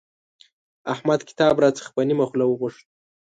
احمد کتاب راڅخه په نيمه خوله وغوښت.